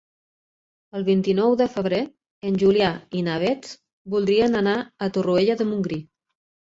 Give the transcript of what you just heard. El vint-i-nou de febrer en Julià i na Beth voldrien anar a Torroella de Montgrí.